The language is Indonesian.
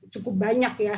cukup banyak ya